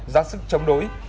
giác sức chống đối